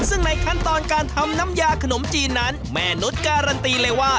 ซึ่งในขั้นตอนการทำน้ำยาขนมจีนนั้นแม่นุษย์การันตีเลยว่า